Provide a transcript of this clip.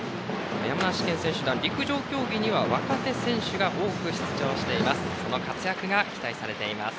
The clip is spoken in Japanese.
山梨県選手団、陸上競技には若手選手が多く出場しています。